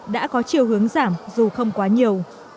đã có chiều hướng giảm dù không quá nhiều